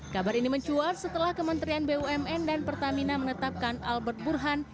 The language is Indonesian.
kabar ini mencuat setelah kementerian bumn dan pertamina menetapkan albert burhan